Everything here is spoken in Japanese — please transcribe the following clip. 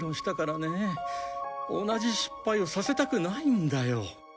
同じ失敗をさせたくないんだよ。